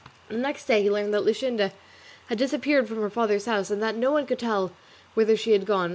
The next day he learned that Luscinda had disappeared from her father's house, and that no one could tell whither she had gone.